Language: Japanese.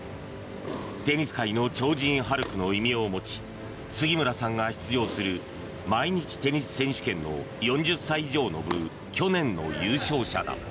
テニス界の超人ハルクの異名を持ち杉村さんが出場する毎日テニス選手権の４０歳以上の部去年の優勝者だ。